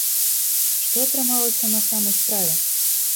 Што атрымалася на самай справе?